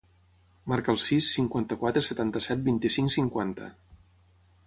Marca el sis, cinquanta-quatre, setanta-set, vint-i-cinc, cinquanta.